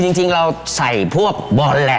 จริงเราใส่พวกบอลแหละ